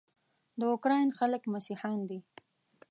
د اوکراین خلک مسیحیان دي.